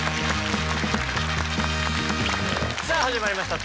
さあ始まりました